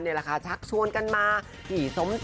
ที่ถึงชวนพี่เท่ก็เปิดใจ